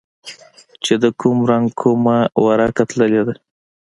چې د کوم رنگ کومه ورقه تللې ده.